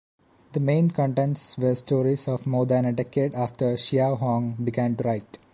The main contents were stories of more than a decade after Xiao Hong began to write.